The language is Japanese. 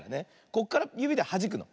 こっからゆびではじくの。